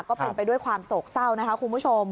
ก็เป็นไปด้วยความโศกเศร้านะคะคุณผู้ชม